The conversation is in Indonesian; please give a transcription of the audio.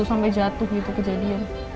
sampai jatuh kejadian